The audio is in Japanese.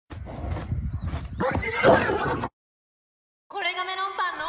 これがメロンパンの！